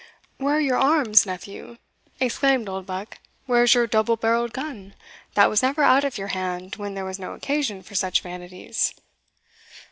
"Where are your arms, nephew?" exclaimed Oldbuck "where is your double barrelled gun, that was never out of your hand when there was no occasion for such vanities?"